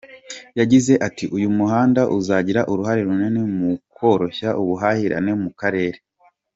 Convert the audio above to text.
Yagize ati "Uyu muhanda uzagira uruhare runini mu koroshya ubuhahirane mu karere.